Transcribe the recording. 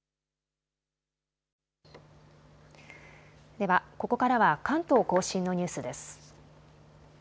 では、ここからは関東甲信のニュースです。